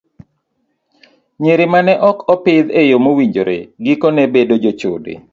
Nyiri ma ne ok opidh e yo mowinjore, gikone bedo jochode.